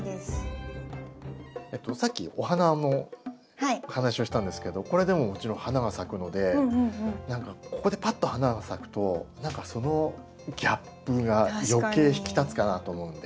さっきお花の話をしたんですけどこれでももちろん花が咲くので何かここでパッと花が咲くと何かそのギャップが余計引き立つかなと思うんで。